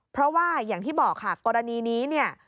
เพราะว่าอย่างที่บอกค่ะกรณีนี้เนี่ย